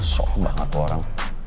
sok banget tuh orang